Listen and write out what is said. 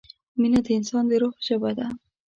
مینه د انسان د روح ژبه ده.